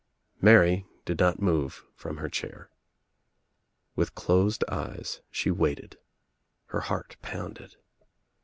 Mary did not move from her chair. With closed eyes she waited. Her heart pounded.